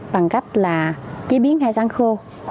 bằng cách là chế biến hai sáng khô